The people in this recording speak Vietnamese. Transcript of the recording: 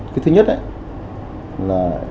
cái thứ nhất đấy là